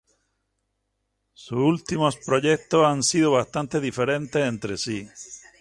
Sus últimos proyectos han sido bastante diferentes entre sí.